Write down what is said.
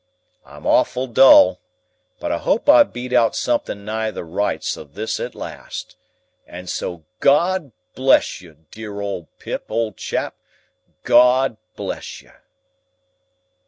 I'm awful dull, but I hope I've beat out something nigh the rights of this at last. And so GOD bless you, dear old Pip, old chap, GOD bless you!"